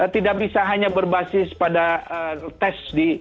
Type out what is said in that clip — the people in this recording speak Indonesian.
tidak bisa hanya berbasis pada tes